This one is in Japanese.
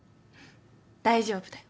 大丈夫だよ。